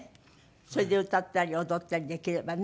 それで歌ったり踊ったりできればね。